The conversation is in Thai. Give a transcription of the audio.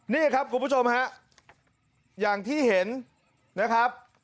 นี่ครับคุณผู้ชมฮะอย่างที่เห็นนะครับ